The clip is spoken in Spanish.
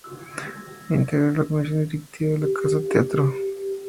Integró la comisión directiva de la "Casa del Teatro" hasta su fallecimiento.